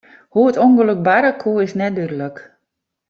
Hoe't it ûngelok barre koe, is net dúdlik.